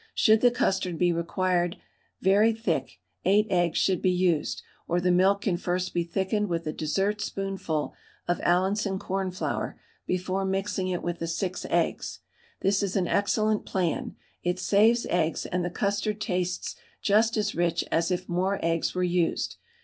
Should the custard be required very thick, 8 eggs should be used, or the milk can first be thickened with a dessertspoonful of Allinson cornflour before mixing it with the 6 eggs. This is an excellent plan; it saves eggs, and the custard tastes just as rich as if more eggs were used.